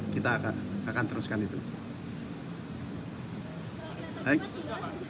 kita akan mengembangkan logistik dan logistik kembali ke indonesia